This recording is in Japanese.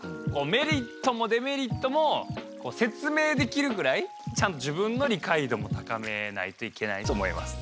メリットもデメリットも説明できるぐらいちゃんと自分の理解度も高めないといけないと思います。